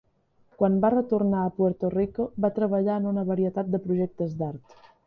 Quan va retornar a Puerto Rico, va treballar en una varietat de projectes d'art.